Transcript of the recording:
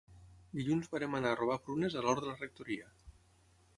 Dilluns vàrem anar a robar prunes a l'hort de la rectoria